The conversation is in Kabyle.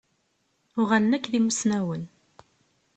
Uɣalen akk d imussnawen.